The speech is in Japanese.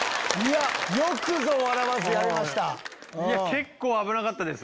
結構危なかったです。